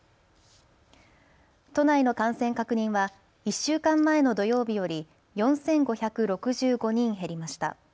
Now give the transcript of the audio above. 都内の感染確認は１週間前の土曜日より４５６５人減りました。